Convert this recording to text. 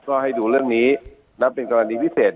ก็ให้ดูเรื่องนี้นับเป็นกรณีพิเศษ